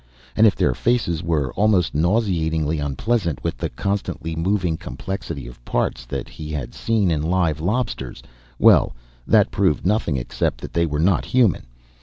And if their faces were almost nauseatingly unpleasant with the constantly moving complexity of parts that he had seen in live lobsters well, that proved nothing except that they were not human.